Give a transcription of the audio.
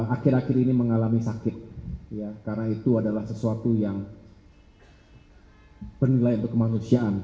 akhir akhir ini mengalami sakit karena itu adalah sesuatu yang bernilai untuk kemanusiaan